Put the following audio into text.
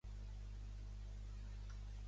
Marie Greyhounds a la tercera ronda.